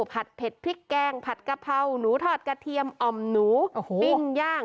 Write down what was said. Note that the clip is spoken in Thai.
ผัดเผ็ดพริกแกงผัดกะเพราหนูทอดกระเทียมอ่อมหนูปิ้งย่าง